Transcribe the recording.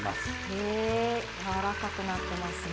へえやわらかくなってますね。